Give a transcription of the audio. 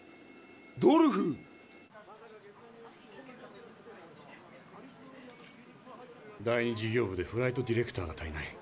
ドルフ⁉第２事業部でフライトディレクターが足りない。